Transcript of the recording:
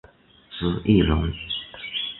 朱一龙